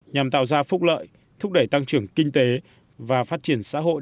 nhằm tạo ra phúc lợi thúc đẩy tăng trưởng kinh tế và phát triển xã hội